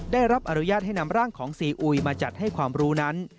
ได้รับอนุญาตให้นำร่างของซีอุยมาจัดให้ความรู้นั้น